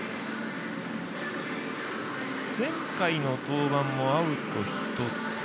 前回の登板もアウト１つ。